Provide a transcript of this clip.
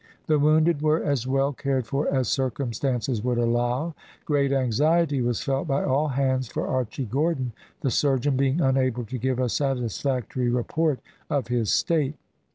The wounded were as well cared for as circumstances would allow. Great anxiety was felt by all hands for Archy Gordon, the surgeon being unable to give a satisfactory report of his state.